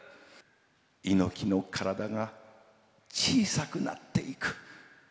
猪木の体が小さくなっていく。